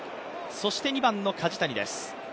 そして２番の梶谷です。